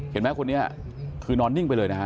เห็นไหมคนนี้คือนอนนิ่งไปเลยนะฮะ